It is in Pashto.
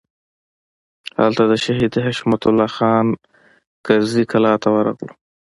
هلته د شهید حشمت الله خان کرزي کلا ته ورغلو.